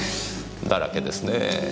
だらけですねぇ。